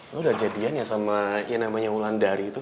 lo udah jadian ya sama yang namanya ulan dari